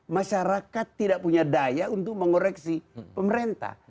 masyarakat tidak punya daya untuk mengoreksi pemerintah